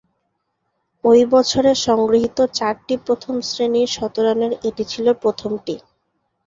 ঐ বছরে সংগৃহীত চারটি প্রথম-শ্রেণীর শতরানের এটি ছিল প্রথমটি।